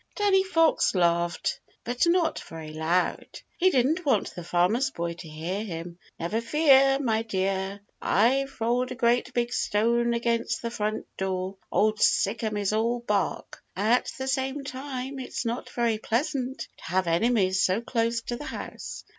Danny Fox laughed, but not very loud. He didn't want the Farmer's Boy to hear him. "Never fear, my dear. I've rolled a great big stone against the front door. Old Sic'em is all bark. At the same time, it's not very pleasant to have enemies so close to the house.